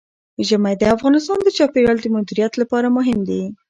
ژمی د افغانستان د چاپیریال د مدیریت لپاره مهم دي.